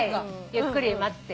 ゆっくり待って。